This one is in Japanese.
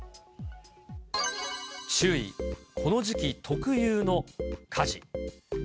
注意、この時期特有の火事。